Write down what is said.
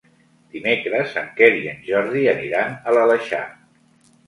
Dimecres en Quer i en Jordi aniran a l'Aleixar.